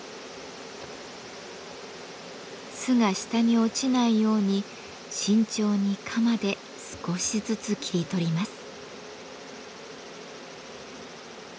巣が下に落ちないように慎重に鎌で少しずつ切り取ります。